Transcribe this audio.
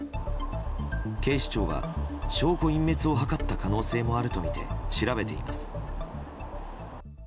警視庁は、証拠隠滅を図った可能性もあるとみて調べています。